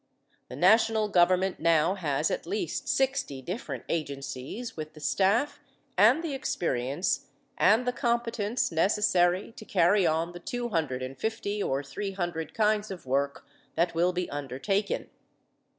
The national government now has at least sixty different agencies with the staff and the experience and the competence necessary to carry on the two hundred and fifty or three hundred kinds of work that will be undertaken.